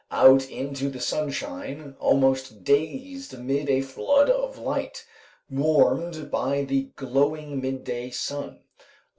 Out into the sunshine, almost dazed amid a flood of light, warmed by the glowing midday sun.